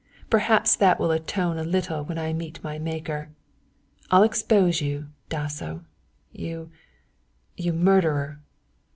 Perhaps that will atone a little when I meet my Maker. I'll expose you, Dasso you you murderer."